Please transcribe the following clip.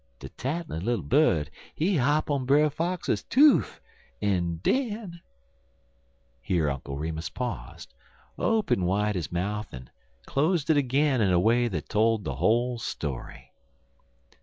"De tattlin' little bird hop on Brer Fox's toof, en den " Here Uncle Remus paused, opened wide his mouth and closed it again in a way that told the whole story.